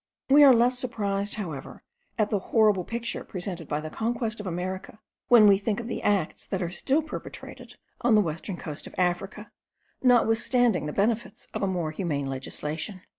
We are less surprised, however, at the horrible picture presented by the conquest of America when we think of the acts that are still perpetrated on the western coast of Africa, notwithstanding the benefits of a more humane legislation.